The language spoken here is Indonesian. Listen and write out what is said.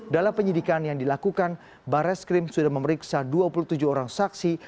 dalam penyidikan yang dilakukan barreskrim sudah memeriksa dua puluh tujuh orang saksi